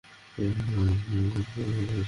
অনুভব করার চেষ্টা করো, জানু।